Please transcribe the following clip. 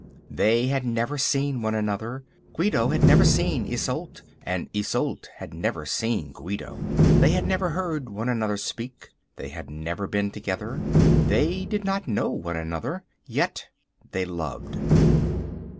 They had never seen one another. Guido had never seen Isolde, Isolde had never seen Guido. They had never heard one another speak. They had never been together. They did not know one another. Yet they loved.